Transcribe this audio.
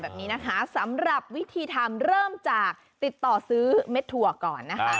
แบบนี้นะคะสำหรับวิธีทำเริ่มจากติดต่อซื้อเม็ดถั่วก่อนนะคะ